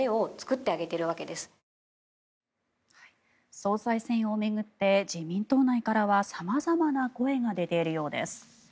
総裁選を巡って自民党内からは様々な声が出ているようです。